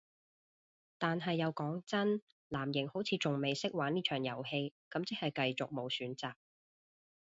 但係又講真，藍營好似仲未識玩呢場遊戲，咁即係繼續無選擇